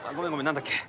何だっけ？